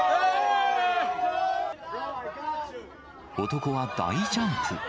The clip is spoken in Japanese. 男は大ジャンプ。